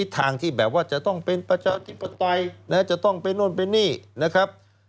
ทางที่แบบว่าจะต้องเป็นประชาธิปไตยจะต้องเป็นโน่นไปนี่นะครับ